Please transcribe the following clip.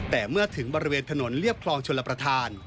แต่เมื่อถึงบริเวณถนนเรียบคลองชลประธาน